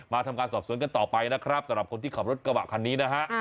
ทำการสอบสวนกันต่อไปนะครับสำหรับคนที่ขับรถกระบะคันนี้นะฮะ